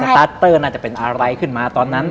ตาร์ทเตอร์น่าจะเป็นอะไรขึ้นมาตอนนั้น